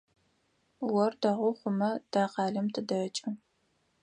Ор дэгъу хъумэ, тэ къалэм тыдэкӏы.